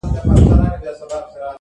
خدای مهربان دی دا روژه په ما تولو ارزي,